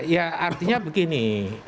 ya artinya begini